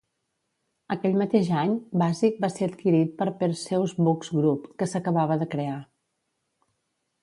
Aquell mateix any, Basic va ser adquirit per Perseus Books Group, que s'acabava de crear.